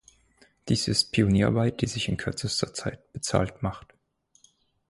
Dies ist Pionierarbeit die sich in kürzester Zeit bezahlt macht.